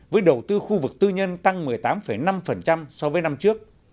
với đầu tư khu vực tư nhân tăng một mươi tám năm so với năm trước